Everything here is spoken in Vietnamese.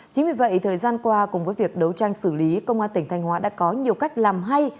chính vì vậy thời gian qua cùng với việc đấu tranh xử lý công an tỉnh thanh hóa đã có nhiều cách làm hay